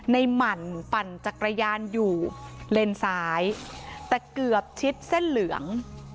หมั่นปั่นจักรยานอยู่เลนซ้ายแต่เกือบชิดเส้นเหลือง